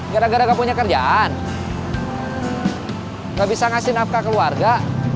gara gara gak punya kerjaan gak bisa ngasih nafkah keluarga